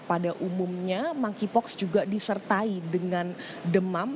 pada umumnya monkeypox juga disertai dengan demam